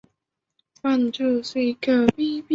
一些建筑材料和配件来自圣嘉禄堂。